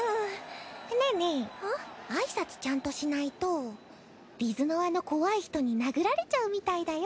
挨拶ちゃんとしないとリズノワの怖い人に殴られちゃうみたいだよ。